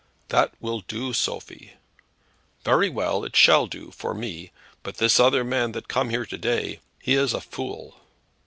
"That will do, Sophie." "Very well; it shall do for me. But this other man that come here to day. He is a fool."